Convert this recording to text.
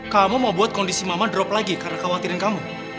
kamu mau buat kondisi mama drop lagi karena khawatirin kamu